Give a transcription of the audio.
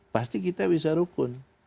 pasti kita bisa rukun